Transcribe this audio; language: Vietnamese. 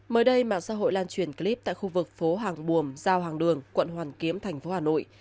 mới đây mạng xã hội lan truyền clip tại khu vực phố hàng buồm giao hàng đường quận hoàn kiếm thành phố hà nội